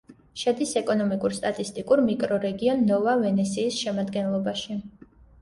შედის ეკონომიკურ-სტატისტიკურ მიკრორეგიონ ნოვა-ვენესიის შემადგენლობაში.